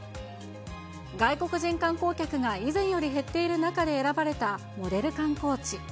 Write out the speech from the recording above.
外国人観光客が以前より減っている中で選ばれたモデル観光地。